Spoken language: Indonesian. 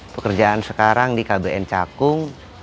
pekerjaan sekarang di kbn cakung